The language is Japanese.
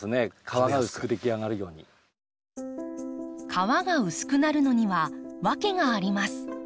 皮が薄くなるのには訳があります。